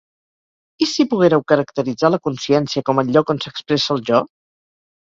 I si poguéreu caracteritzar la consciència com el lloc on s'expressa el jo?